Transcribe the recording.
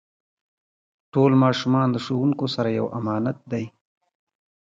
ټول ماشومان د ښوونکو سره یو امانت دی.